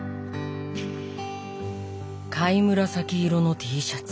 貝紫色のＴシャツ。